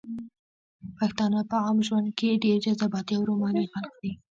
پښتانه په عام ژوند کښې ډېر جذباتي او روماني خلق دي